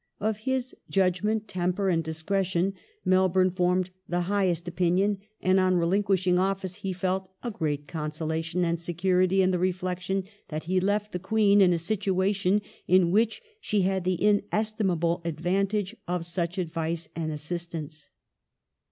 Of his "judgment, temper, and discretion" Melbourne formed " the highest opinion," and on relinquishing office he felt " a great consolation and security in the reflection that he left the Queen in a situation in which she had the inestimable advantage of such advice and assistance *'.